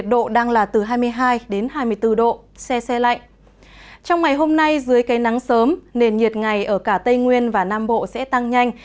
trong ngày hôm nay dưới cây nắng sớm nền nhiệt ngày ở cả tây nguyên và nam bộ sẽ tăng nhanh